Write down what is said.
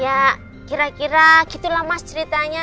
ya kira kira gitulah mas ceritanya